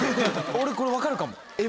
俺これ分かるかも。